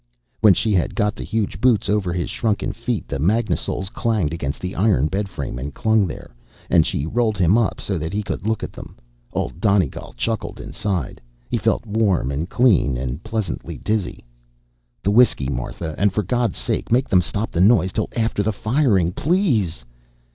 When she had got the huge boots over his shrunken feet, the magnasoles clanged against the iron bedframe and clung there, and she rolled him up so that he could look at them, and Old Donegal chuckled inside. He felt warm and clean and pleasantly dizzy. "The whiskey, Martha, and for God's sake, make them stop the noise till after the firing. Please!"